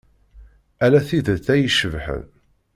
Ala tidet ay icebḥen.